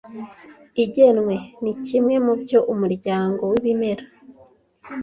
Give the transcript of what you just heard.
Ingemwe ni kimwe mubyo umuryango wibimera